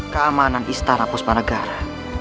keamanan istana puspanegara